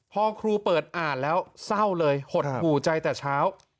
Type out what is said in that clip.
พอครูเปิดอ่านแล้วเศร้าเลยหดหูใจแต่เช้า